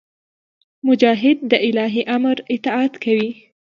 مجاهد د الهي امر اطاعت کوي.